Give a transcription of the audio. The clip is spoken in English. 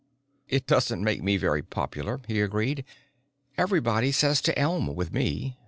"It doesn't make me very popular," he agreed. "Everybody says to elm with me.